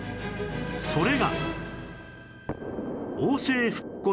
それが